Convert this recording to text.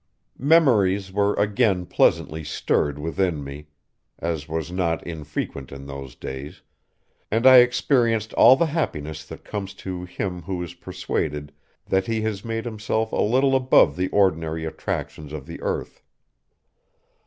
Memories were again pleasantly stirred within me, as was not infrequent in those days, and I experienced all the happiness that comes to him who is persuaded that he has made himself a little above the ordinary attractions of the earth.